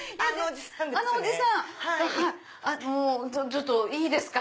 ちょっといいですか？